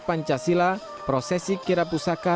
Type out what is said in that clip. pancasila prosesi kirapusaka